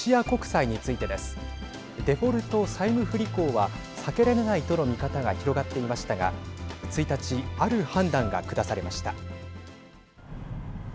債務不履行は避けられないとの見方が広がっていましたが１日、ある判断が下されました。